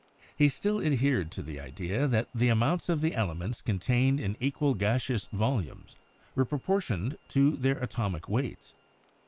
He still adhered to the idea that the amounts of the elements contained in equal gaseous volumes were proportioned to their atomic weights.